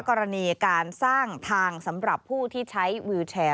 กรณีการสร้างทางสำหรับผู้ที่ใช้วิวแชร์